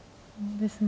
ですね。